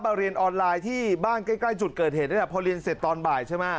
มาเรียนออนไลน์ที่บ้านใกล้จุดเกิดเหตุพอเรียนเสร็จตอนบ่าย